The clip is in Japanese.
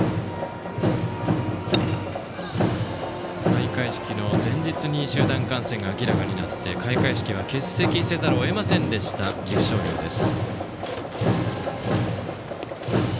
開会式の前日に集団感染が明らかになって開会式は欠席せざるを得なかった岐阜商業です。